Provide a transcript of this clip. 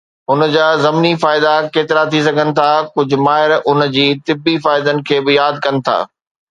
ان جا ضمني فائدا ڪيترائي ٿي سگهن ٿا، ڪجهه ماهر ان جي طبي فائدن کي به ياد ڪن ٿا.